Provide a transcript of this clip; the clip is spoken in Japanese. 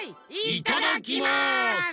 いただきます！